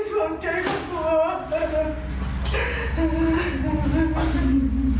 เป้นก่อน